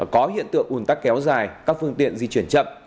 có hiện tượng ủn tắc kéo dài các phương tiện di chuyển chậm